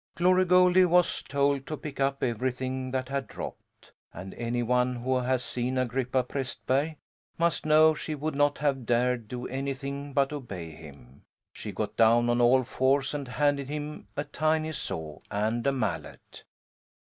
Glory Goldie was told to pick up everything that had dropped. And any one who has seen Agrippa Prästberg must know she would not have dared do anything but obey him. She got down on all fours and handed him a tiny saw and a mallet.